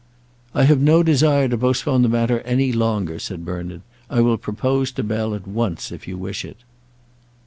"I have no desire to postpone the matter any longer," said Bernard. "I will propose to Bell at once, if you wish it."